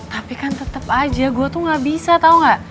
tapi kan tetap aja gue tuh gak bisa tau gak